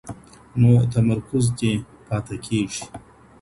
نو تمرکز دې پاته کېږي.